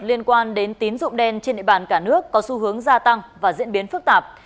liên quan đến tín dụng đen trên địa bàn cả nước có xu hướng gia tăng và diễn biến phức tạp